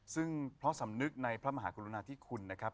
ซึ่งเพราะสำนึกในพระมหากรุณาธิคุณนะครับ